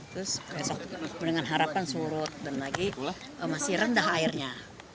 terus besok dengan harapan surut dan lagi masih rendah airnya